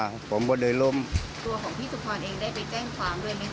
ตัวของพี่สุภรเองได้ไปแจ้งคำด้วยมั้ยค่ะ